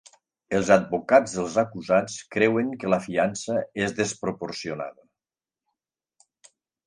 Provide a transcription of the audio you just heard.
Els advocats dels acusats creuen que la fiança és desproporcionada